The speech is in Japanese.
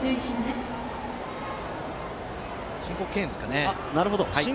申告敬遠ですね。